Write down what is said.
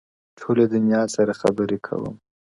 ټولي دنـيـا سره خــبري كـــوم.